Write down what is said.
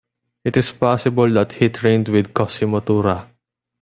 It is possible that he trained with Cosimo Tura.